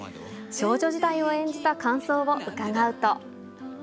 少女時代を演じた感想を伺うと。